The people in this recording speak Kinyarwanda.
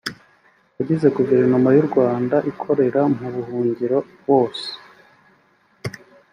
Abagize Guverinoma y’u Rwanda ikorera mu buhungiro bose